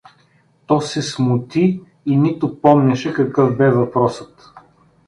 То се смути и нито помнеше какъв бе въпросът.